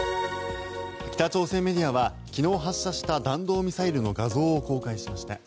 北朝鮮メディアは昨日発射した弾道ミサイルの画像を公開しました。